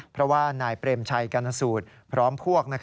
เพราะว่านายเปรมชัยกรณสูตรพร้อมพวก